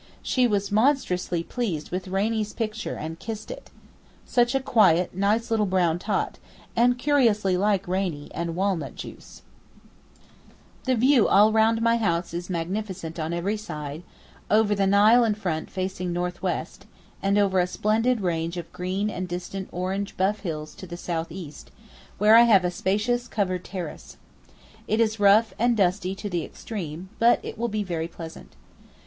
She was monstrously pleased with Rainie's picture and kissed it. Such a quiet, nice little brown tot, and curiously like Rainie and walnut juice. [Picture: Luxor, by Edward Lear, showing Lady Duff Gordon's house, now destroyed] The view all round my house is magnificent on every side, over the Nile in front facing north west, and over a splendid range of green and distant orange buff hills to the south east, where I have a spacious covered terrace. It is rough and dusty to the extreme, but will be very pleasant.